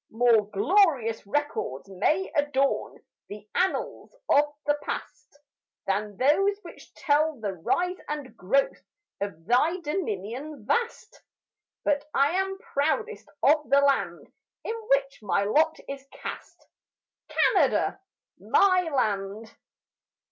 More glorious records may adorn The annals of the past Than those which tell the rise and growth Of thy dominion vast; But I am proudest of the land In which my lot is cast, Canada, my land.